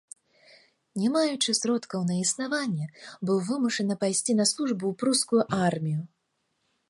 Не маючы сродкаў на існаванне, быў вымушаны пайсці на службу ў прускую армію.